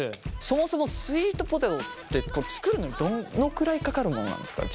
そもそもスイートポテトって作るのにどのくらいかかるものなんですか？